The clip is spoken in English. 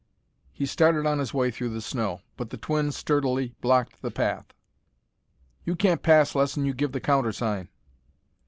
He started on his way through the snow, but the twin sturdily blocked the path. "You can't pass less'n you give the countersign."